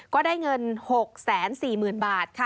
ก็ได้เงิน๖๔๐๐๐๐บาท